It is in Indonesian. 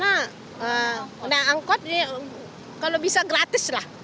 karena angkot kalau bisa gratis lah